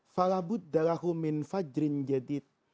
falabud dalahu min fajrin jadid